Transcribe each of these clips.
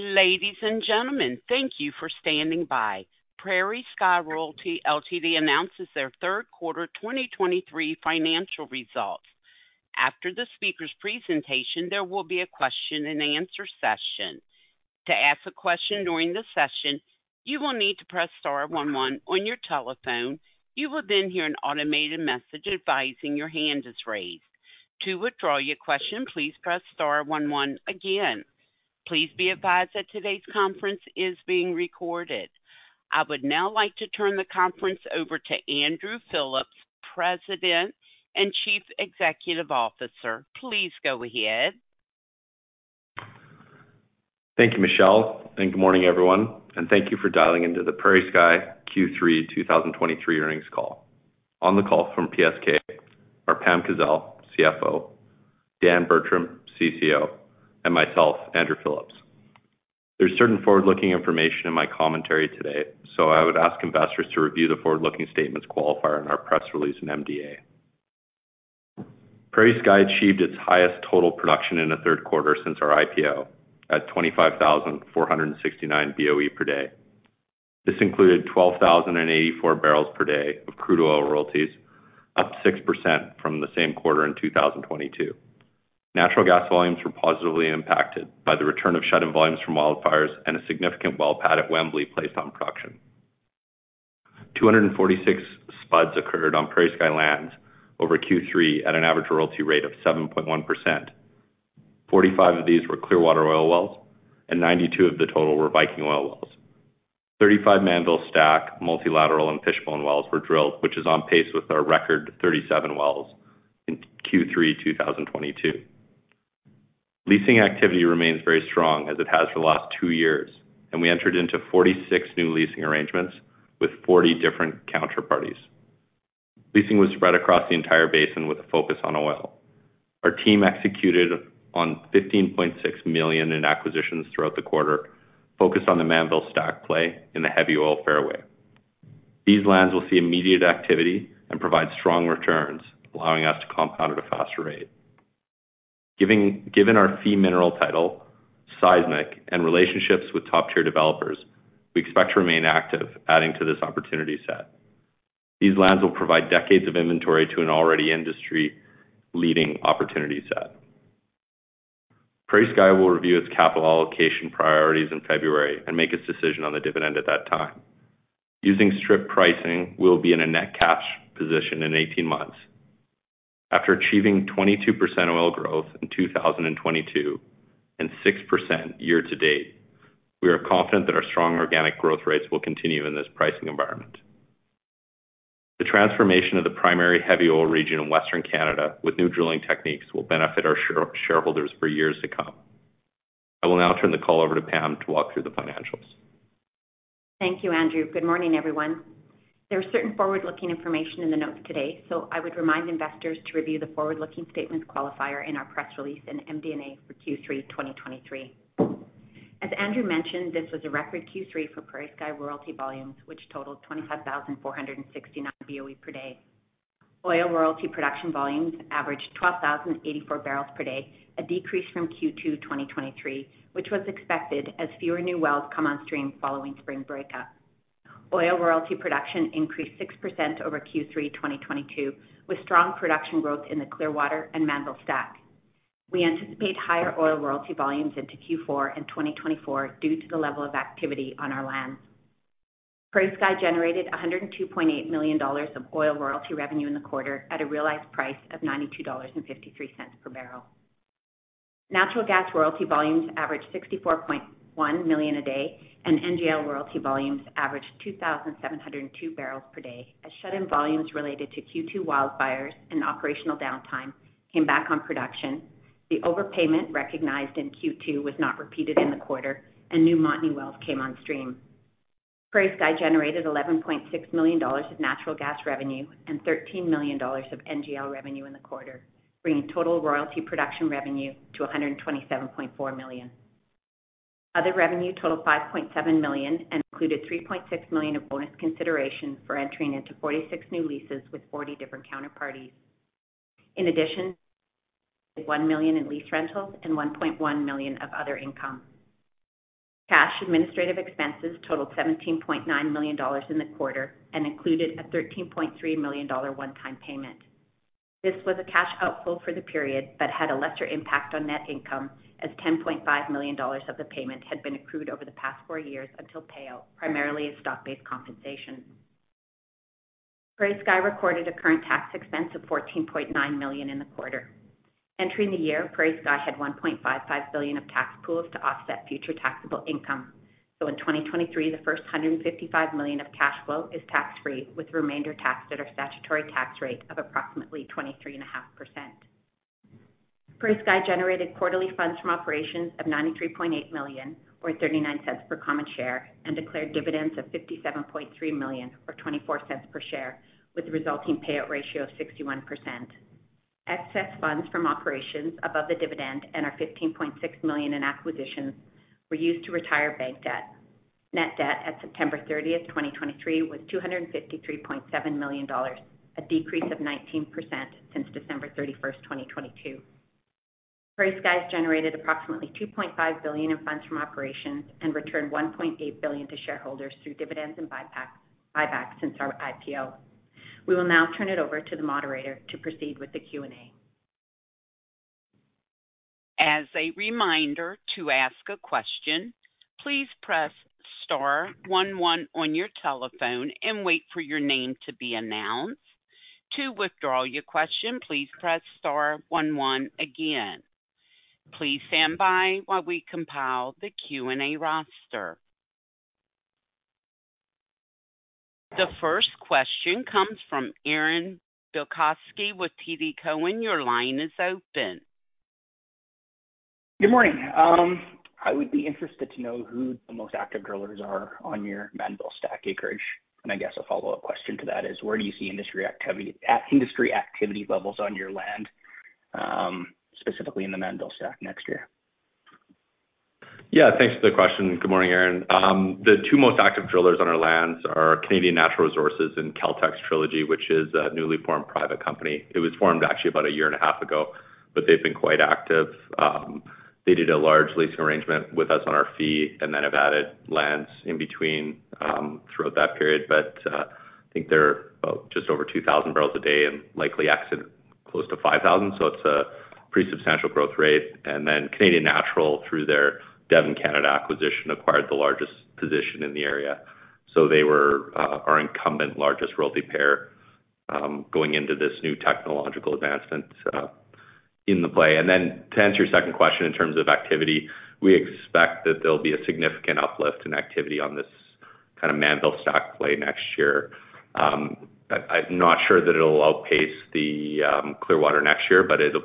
Ladies and gentlemen, thank you for standing by. PrairieSky Royalty Ltd. announces their third quarter 2023 financial results. After the speaker's presentation, there will be a question-and-answer session. To ask a question during the session, you will need to press star one on your telephone. You will then hear an automated message advising your hand is raised. To withdraw your question, please press star one again. Please be advised that today's conference is being recorded. I would now like to turn the conference over to Andrew Phillips, President and Chief Executive Officer. Please go ahead. Thank you, Michelle, and good morning, everyone, and thank you for dialing into the PrairieSky Q3 2023 earnings call. On the call from PSK are Pam Kazeil, CFO, Dan Bertram, CCO, and myself, Andrew Phillips. There's certain forward-looking information in my commentary today, so I would ask investors to review the forward-looking statements qualifier in our press release in MD&A. PrairieSky achieved its highest total production in the third quarter since our IPO at 25,469 Boe per day. This included 12,084 barrels per day of crude oil royalties, up 6% from the same quarter in 2022. Natural gas volumes were positively impacted by the return of shut-in volumes from wildfires and a significant well pad at Wembley placed on production. 246 spuds occurred on PrairieSky lands over Q3 at an average royalty rate of 7.1%. Forty-five of these were Clearwater oil wells, and 92 of the total were Viking oil wells. 35 Mannville Stack, multilateral and fishbone wells were drilled, which is on pace with our record 37 wells in Q3 2022. Leasing activity remains very strong, as it has for the last two years, and we entered into 46 new leasing arrangements with 40 different counterparties. Leasing was spread across the entire basin with a focus on oil. Our team executed on 15.6 million in acquisitions throughout the quarter, focused on the Mannville Stack play in the heavy oil fairway. These lands will see immediate activity and provide strong returns, allowing us to compound at a faster rate. Given our fee simple mineral title, seismic and relationships with top-tier developers, we expect to remain active, adding to this opportunity set. These lands will provide decades of inventory to an already industry-leading opportunity set. PrairieSky will review its capital allocation priorities in February and make its decision on the dividend at that time. Using strip pricing, we will be in a net cash position in 18 months. After achieving 22% oil growth in 2022 and 6% year to date, we are confident that our strong organic growth rates will continue in this pricing environment. The transformation of the primary heavy oil region in Western Canada with new drilling techniques will benefit our shareholders for years to come. I will now turn the call over to Pam to walk through the financials. Thank you, Andrew. Good morning, everyone. There are certain forward-looking information in the notes today, so I would remind investors to review the forward-looking statements qualifier in our press release in MD&A for Q3 2023. As Andrew mentioned, this was a record Q3 for PrairieSky Royalty volumes, which totaled 25,469 Boe per day. Oil royalty production volumes averaged 12,084 barrels per day, a decrease from Q2 2023, which was expected as fewer new wells come on stream following spring breakup. Oil royalty production increased 6% over Q3 2022, with strong production growth in the Clearwater and Mannville Stack. We anticipate higher oil royalty volumes into Q4 in 2024 due to the level of activity on our lands. PrairieSky generated 102.8 million dollars of oil royalty revenue in the quarter at a realized price of 92.53 dollars per barrel. Natural gas royalty volumes averaged 64.1 million a day, and NGL royalty volumes averaged 2,702 barrels per day. As shut-in volumes related to Q2 wildfires and operational downtime came back on production, the overpayment recognized in Q2 was not repeated in the quarter, and new Montney wells came on stream. PrairieSky generated CAD 11.6 million of natural gas revenue and CAD 13 million of NGL revenue in the quarter, bringing total royalty production revenue to CAD 127.4 million. Other revenue totaled CAD 5.7 million and included CAD 3.6 million of bonus consideration for entering into 46 new leases with 40 different counterparties. In addition, 1 million in lease rentals and 1.1 million of other income. Cash administrative expenses totaled 17.9 million dollars in the quarter and included a 13.3 million dollar one-time payment. This was a cash outflow for the period, but had a lesser impact on net income, as 10.5 million dollars of the payment had been accrued over the past four years until payout, primarily in stock-based compensation. PrairieSky recorded a current tax expense of 14.9 million in the quarter. Entering the year, PrairieSky had 1.55 billion of tax pools to offset future taxable income. So in 2023, the first 155 million of cash flow is tax-free, with the remainder taxed at our statutory tax rate of approximately 23.5%. PrairieSky generated quarterly funds from operations of 93.8 million, or 0.39 per common share, and declared dividends of 57.3 million, or 0.24 per share, with a resulting payout ratio of 61%. Excess funds from operations above the dividend and our 15.6 million in acquisitions were used to retire bank debt. Net debt at September 30th, 2023, was 253.7 million dollars, a decrease of 19% since December 31st, 2022. PrairieSky has generated approximately 2.5 billion in funds from operations and returned 1.8 billion to shareholders through dividends and buybacks, buybacks since our IPO. We will now turn it over to the moderator to proceed with the Q&A. As a reminder, to ask a question, please press star one on your telephone and wait for your name to be announced. To withdraw your question, please press star one again. Please stand by while we compile the Q&A roster. The first question comes from Aaron Bilkoski with TD Cowen. Your line is open. Good morning. I would be interested to know who the most active drillers are on your Mannville Stack acreage. And I guess a follow-up question to that is, where do you see industry activity levels on your land, specifically in the Mannville Stack next year? Thanks for the question. Good morning, Aaron. The two most active drillers on our lands are Canadian Natural Resources and Caltx Energy, which is a newly formed private company. It was formed actually about a year and a half ago, but they've been quite active. They did a large leasing arrangement with us on our fee and then have added lands in between throughout that period. But I think they're about just over 2,000 barrels a day and likely exit close to 5,000, so it's a pretty substantial growth rate. And then Canadian Natural, through their Devon Canada acquisition, acquired the largest position in the area. So they were our incumbent largest royalty payer going into this new technological advancement in the play. And then to answer your second question, in terms of activity, we expect that there'll be a significant uplift in activity on this kind of Mannville Stack play next year. I'm not sure that it'll outpace the Clearwater next year, but it'll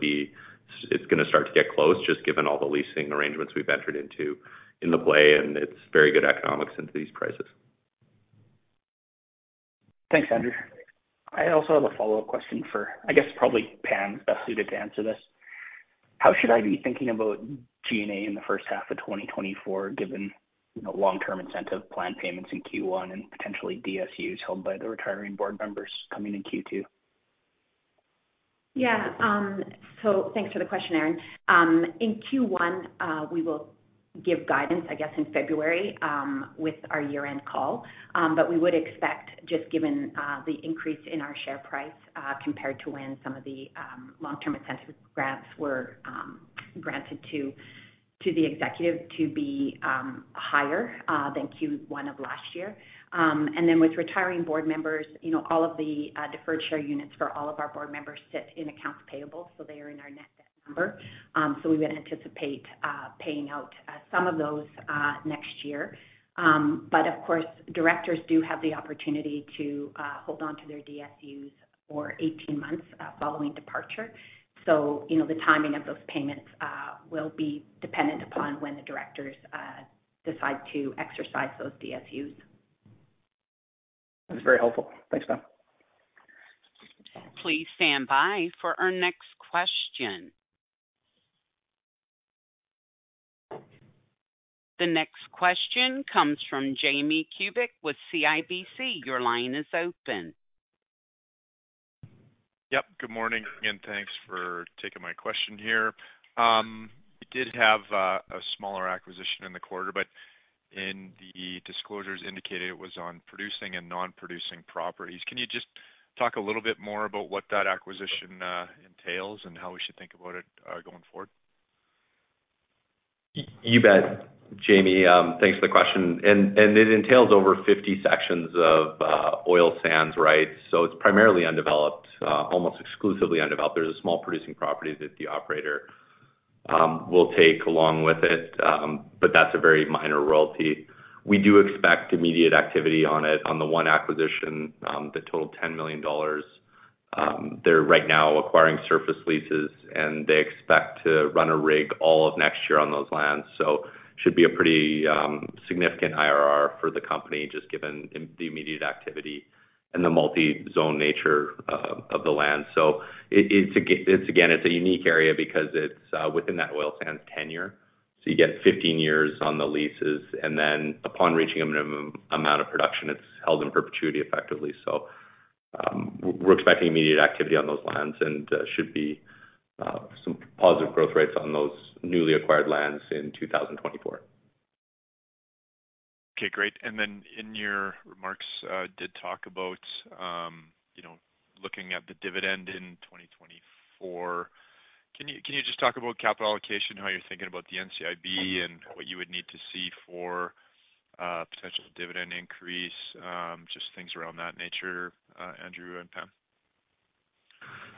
be—it's gonna start to get close, just given all the leasing arrangements we've entered into in the play, and it's very good economics into these prices. Thanks, Andrew. I also have a follow-up question for, I guess, probably Pam is best suited to answer this. How should I be thinking about G&A in the first half of 2024, given, you know, long-term incentive plan payments in Q1 and potentially DSUs held by the retiring board members coming in Q2? So thanks for the question, Aaron. In Q1, we will give guidance, I guess, in February with our year-end call. But we would expect, just given the increase in our share price compared to when some of the long-term incentive grants were granted to the executive to be higher than Q1 of last year. And then with retiring board members, you know, all of the deferred share units for all of our board members sit in accounts payable, so they are in our net debt number. So we would anticipate paying out some of those next year. But of course, directors do have the opportunity to hold on to their DSUs for 18 months following departure. So, you know, the timing of those payments will be dependent upon when the directors decide to exercise those DSUs. That's very helpful. Thanks, Pam. Please stand by for our next question. The next question comes from Jamie Kubik with CIBC. Your line is open. Yep, good morning, and thanks for taking my question here. You did have a smaller acquisition in the quarter, but in the disclosures indicated it was on producing and non-producing properties. Can you just talk a little bit more about what that acquisition entails and how we should think about it going forward? You bet, Jamie. Thanks for the question. And it entails over 50 sections of oil sands, right? So it's primarily undeveloped, almost exclusively undeveloped. There's a small producing property that the operator will take along with it, but that's a very minor royalty. We do expect immediate activity on it. On the one acquisition that totaled 10 million dollars, they're right now acquiring surface leases, and they expect to run a rig all of next year on those lands. So should be a pretty significant IRR for the company, just given the immediate activity and the multi-zone nature of the land. So it's a unique area because it's within that Oil Sands tenure, so you get 15 years on the leases, and then upon reaching a minimum amount of production, it's held in perpetuity, effectively. So we're expecting immediate activity on those lands and should be some positive growth rates on those newly acquired lands in 2024. Okay, great. And then in your remarks, did talk about, you know, looking at the dividend in 2024. Can you, can you just talk about capital allocation, how you're thinking about the NCIB and what you would need to see for, potential dividend increase? Just things around that nature, Andrew and Pam.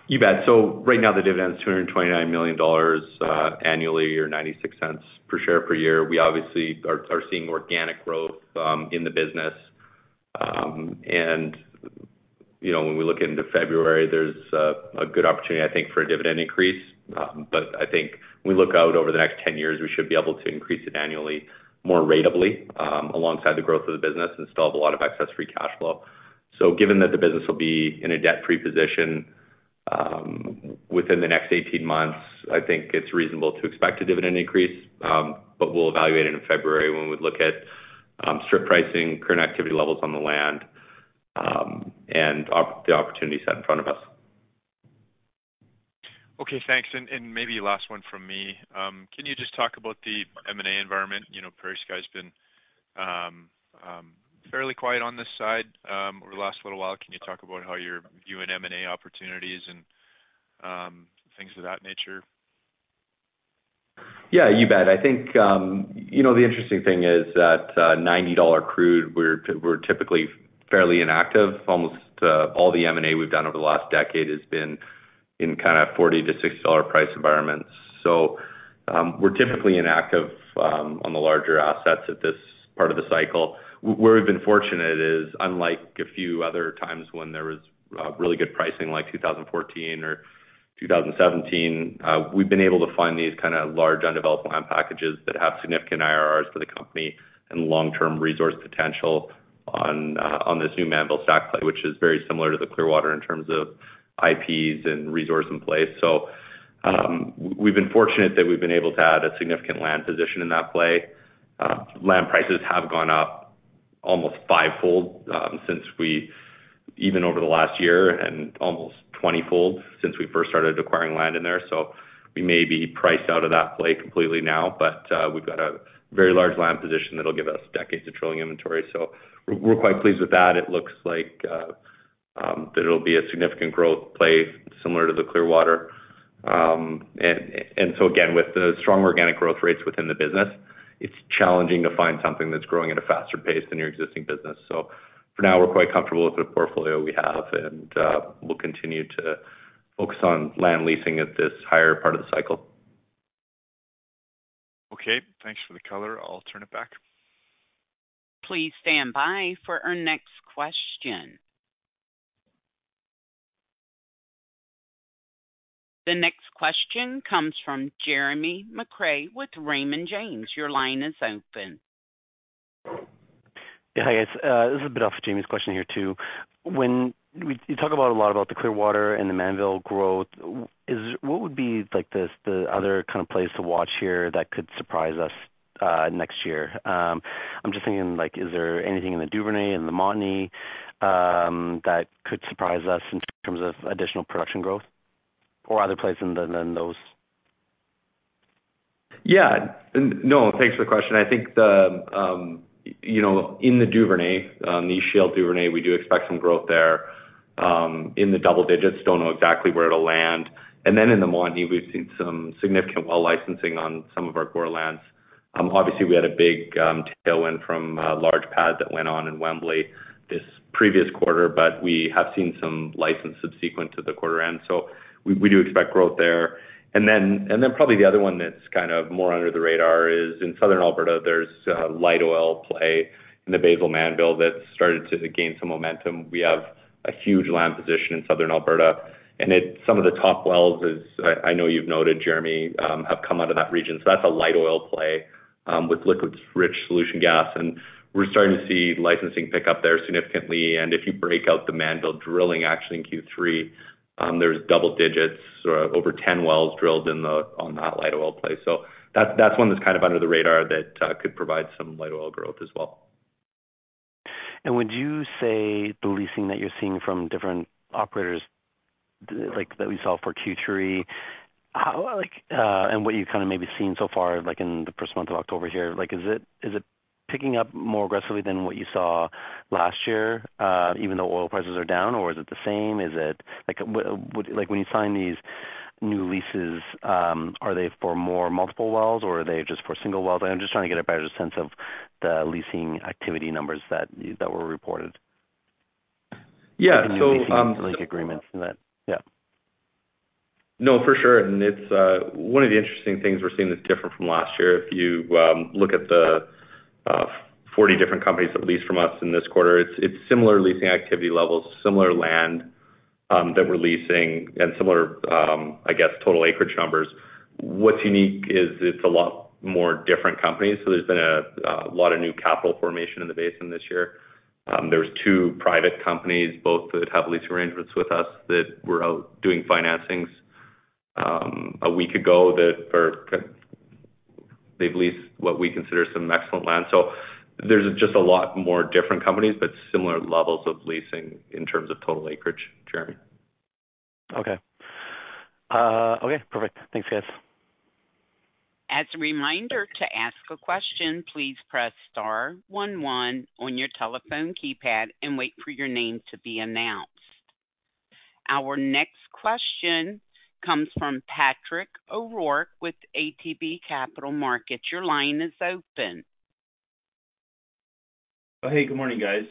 You bet. So right now, the dividend is 229 million dollars annually or 0.96 per share per year. We obviously are seeing organic growth in the business. And you know, when we look into February, there's a good opportunity, I think, for a dividend increase. But I think when we look out over the next 10 years, we should be able to increase it annually, more ratably, alongside the growth of the business and still have a lot of excess free cash flow. So given that the business will be in a debt-free position within the next 18 months, I think it's reasonable to expect a dividend increase. But we'll evaluate it in February when we look at strip pricing, current activity levels on the land, and the opportunities set in front of us. Okay, thanks. And maybe last one from me. Can you just talk about the M&A environment? You know, PrairieSky's been fairly quiet on this side over the last little while. Can you talk about how you're viewing M&A opportunities and things of that nature? You bet. I think, you know, the interesting thing is that, ninety dollar crude, we're, we're typically fairly inactive. Almost, all the M&A we've done over the last decade has been in kind of $40-$60 price environments. So, we're typically inactive, on the larger assets at this part of the cycle. Where we've been fortunate is, unlike a few other times when there was, really good pricing, like 2014 or 2017, we've been able to find these kind of large undeveloped land packages that have significant IRRs for the company and long-term resource potential on, on this new Mannville Stack play, which is very similar to the Clearwater in terms of IPs and resource in place. So, we've been fortunate that we've been able to add a significant land position in that play. Land prices have gone up almost fivefold since even over the last year, and almost twentyfold since we first started acquiring land in there. So we may be priced out of that play completely now, but we've got a very large land position that'll give us decades of drilling inventory. So we're quite pleased with that. It looks like that it'll be a significant growth play similar to the Clearwater. And so again, with the strong organic growth rates within the business, it's challenging to find something that's growing at a faster pace than your existing business. So for now, we're quite comfortable with the portfolio we have, and we'll continue to focus on land leasing at this higher part of the cycle. Okay, thanks for the color. I'll turn it back. Please stand by for our next question. The next question comes from Jeremy McCrea with Raymond James. Your line is open. Hi, guys. This is a bit off Jamie's question here, too. When we-- you talk about a lot about the Clearwater and the Mannville growth. What would be like, the, the other kind of place to watch here that could surprise us, next year? I'm just thinking, like, is there anything in the Duvernay and the Montney, that could surprise us in terms of additional production growth or other places other than those? No, thanks for the question. I think, you know, in the Duvernay, the East Shale Duvernay, we do expect some growth there, in the double digits. Don't know exactly where it'll land. And then in the Montney, we've seen some significant well licensing on some of our core lands. Obviously, we had a big tailwind from a large pad that went on in Wembley this previous quarter, but we have seen some licensing subsequent to the quarter end, so we do expect growth there. And then probably the other one that's kind of more under the radar is in southern Alberta, there's a light oil play in the Basal Mannville that's started to gain some momentum. We have a huge land position in southern Alberta, and it—some of the top wells, as I know you've noted, Jeremy, have come out of that region. So that's a light oil play, with liquids-rich solution gas, and we're starting to see licensing pick up there significantly. And if you break out the Mannville drilling action in Q3, there's double digits or over 10 wells drilled in the, on that light oil play. So that's, that's one that's kind of under the radar that could provide some light oil growth as well. Would you say the leasing that you're seeing from different operators, like that we saw for Q3, how, like, and what you've kind of maybe seen so far, like in the first month of October here, like, is it picking up more aggressively than what you saw last year, even though oil prices are down, or is it the same? Is it like, when you sign these new leases, are they for more multiple wells, or are they just for single wells? I'm just trying to get a better sense of the leasing activity numbers that were reported. So, Like agreements and that. No, for sure. And it's one of the interesting things we're seeing that's different from last year, if you look at the 40 different companies that leased from us in this quarter, it's similar leasing activity levels, similar land that we're leasing and similar, I guess, total acreage numbers. What's unique is it's a lot more different companies, so there's been a lot of new capital formation in the basin this year. There's two private companies, both that have leasing arrangements with us, that were out doing financings a week ago that are. They've leased what we consider some excellent land. So there's just a lot more different companies, but similar levels of leasing in terms of total acreage, Jeremy. Okay. Okay, perfect. Thanks, guys. As a reminder, to ask a question, please press star one on your telephone keypad and wait for your name to be announced. Our next question comes from Patrick O'Rourke with ATB Capital Markets. Your line is open. Hey, good morning, guys.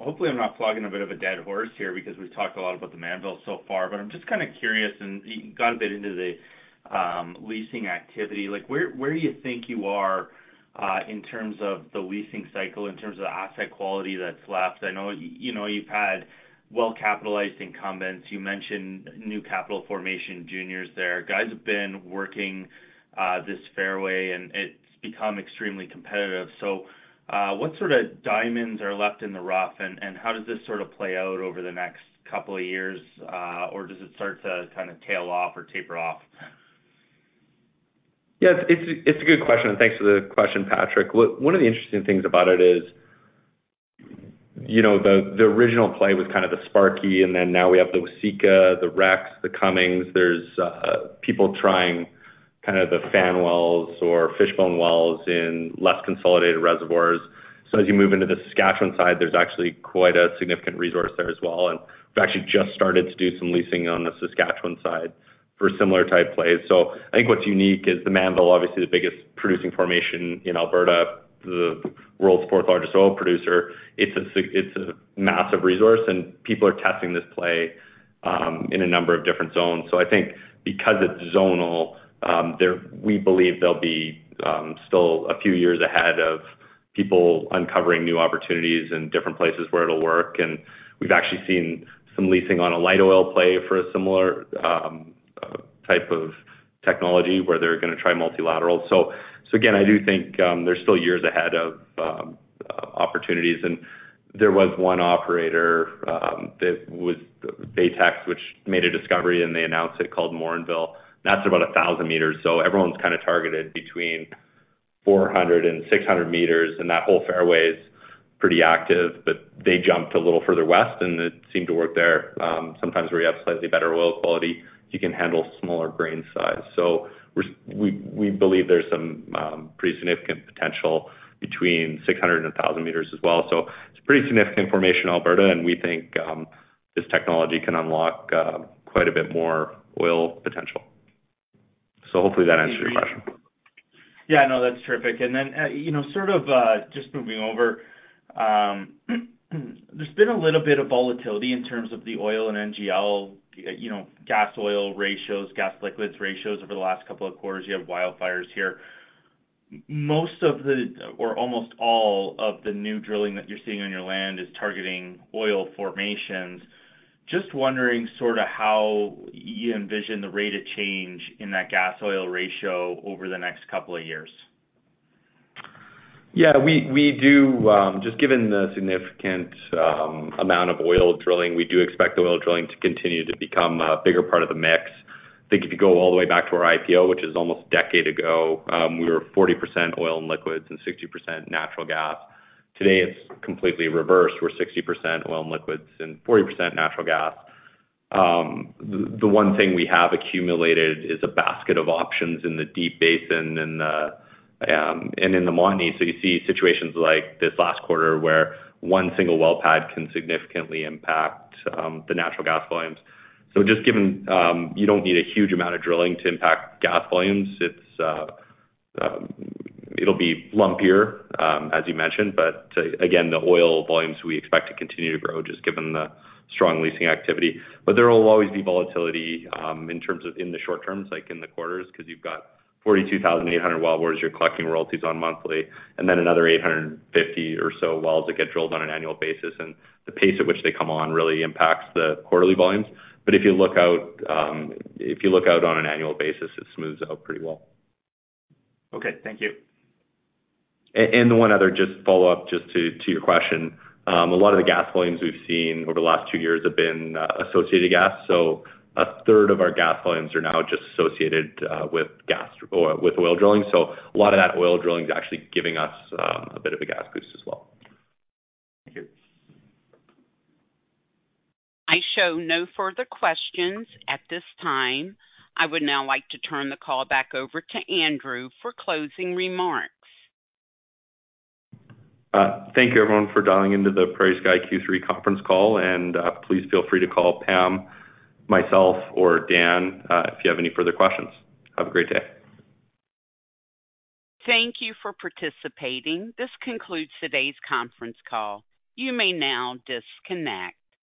Hopefully, I'm not flogging a bit of a dead horse here because we've talked a lot about the Mannville so far, but I'm just kind of curious, and you got a bit into the leasing activity. Like, where, where do you think you are in terms of the leasing cycle, in terms of the asset quality that's left? I know, you know, you've had well-capitalized incumbents. You mentioned new capital formation juniors there. Guys have been working this fairway, and it's become extremely competitive. So, what sort of diamonds are left in the rough, and how does this sort of play out over the next couple of years? Or does it start to kind of tail off or taper off? Yes, it's a good question. And thanks for the question, Patrick. One of the interesting things about it is, you know, the original play was kind of the Sparky, and then now we have the Waseca, the Rex, the Cummings. There's people trying kind of the fan wells or Fishbone wells in less consolidated reservoirs. So as you move into the Saskatchewan side, there's actually quite a significant resource there as well. And we've actually just started to do some leasing on the Saskatchewan side for similar type plays. So I think what's unique is the Mannville, obviously the biggest producing formation in Alberta, the world's fourth largest oil producer. It's a massive resource, and people are testing this play in a number of different zones. So I think because it's zonal, there we believe there'll be still a few years ahead of people uncovering new opportunities in different places where it'll work. And we've actually seen some leasing on a light oil play for a similar type of technology where they're gonna try multilateral. So again, I do think there's still years ahead of opportunities. And there was one operator that was Baytex, which made a discovery, and they announced it, called Morinville. That's about 1,000 meters, so everyone's kind of targeted between 400 and 600 meters, and that whole fairway is pretty active, but they jumped a little further west, and it seemed to work there. Sometimes where you have slightly better oil quality, you can handle smaller grain size. So we believe there's some pretty significant potential between 600 and 1,000 meters as well. So it's a pretty significant formation in Alberta, and we think this technology can unlock quite a bit more oil potential. So hopefully that answers your question. No, that's terrific. And then, you know, sort of, just moving over, there's been a little bit of volatility in terms of the oil and NGL, you know, gas, oil ratios, gas, liquids ratios over the last couple of quarters. You have wildfires here. Most of the, or almost all of the new drilling that you're seeing on your land is targeting oil formations. Just wondering sort of how you envision the rate of change in that gas, oil ratio over the next couple of years. We do. Just given the significant amount of oil drilling, we do expect the oil drilling to continue to become a bigger part of the mix. I think if you go all the way back to our IPO, which is almost a decade ago, we were 40% oil and liquids and 60% natural gas. Today, it's completely reversed. We're 60% oil and liquids and 40% natural gas. The one thing we have accumulated is a basket of options in the deep basin and in the Montney. So you see situations like this last quarter, where one single well pad can significantly impact the natural gas volumes. So just given, you don't need a huge amount of drilling to impact gas volumes, it's, it'll be lumpier, as you mentioned, but, again, the oil volumes we expect to continue to grow just given the strong leasing activity. But there will always be volatility, in terms of in the short term, like in the quarters, 'cause you've got 42,800 wellbores you're collecting royalties on monthly, and then another 850 or so wells that get drilled on an annual basis. And the pace at which they come on really impacts the quarterly volumes. But if you look out, if you look out on an annual basis, it smooths out pretty well. Okay, thank you. And one other, just follow-up, just to, to your question. A lot of the gas volumes we've seen over the last two years have been associated gas, so a third of our gas volumes are now just associated with gas or with oil drilling. So a lot of that oil drilling is actually giving us a bit of a gas boost as well. Thank you. I show no further questions at this time. I would now like to turn the call back over to Andrew for closing remarks. Thank you, everyone, for dialing into the PrairieSky Q3 conference call, and please feel free to call Pam, myself, or Dan if you have any further questions. Have a great day. Thank you for participating. This concludes today's conference call. You may now disconnect.